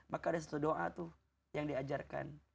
maka ada satu doa tuh yang diajarkan